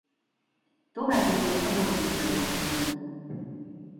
Továbbjutott a Borussia Dortmund.